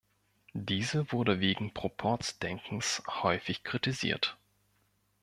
Diese wurde wegen Proporz-Denkens häufig kritisiert.